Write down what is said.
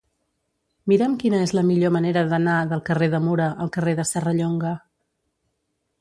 Mira'm quina és la millor manera d'anar del carrer de Mura al carrer de Serrallonga.